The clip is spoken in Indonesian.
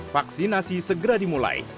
vaksinasi segera dimulai